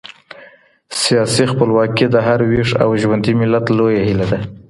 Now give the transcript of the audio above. سياسي خپلواکي د هر ويښ او ژوندي ملت لويه هيله ده.